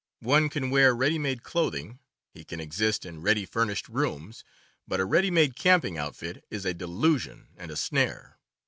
One can wear ready made clothing, he can exist in ready furnished rooms, but a ready made camping outfit is a delusion and a snare.